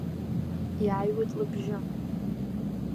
Иааҩуеит лыбжьы.